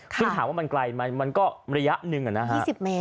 คือถามว่ามันไกลไหมมันก็ระยะนึงอะนะฮะ